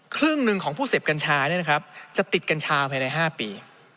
ครึ่งหนึ่งของผู้เสพกัญชาเนี่ยนะครับจะติดกัญชาไผ่ใน๕ปี